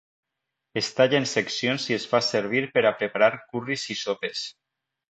Es talla en seccions i es fa servir per a preparar curris i sopes.